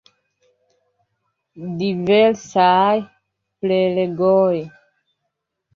Diversaj prelegoj.